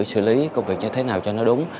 xử lý công việc như thế nào cho nó đúng